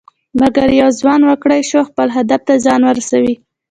مګر یو ځوان وکړى شوى خپل هدف ته ځان ورسوي.